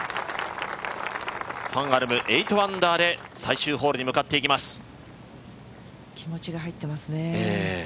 ファン・アルム、８アンダーで最終ホールに向かっていきます。